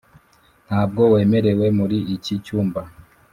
ntabwo wemerewe muri iki cyumba.